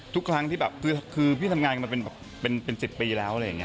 ทุกครั้งที่คือพี่ทำงานเป็น๑๐ปีแล้ว